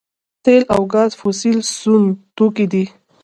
تیل او ګاز فوسیل سون توکي دي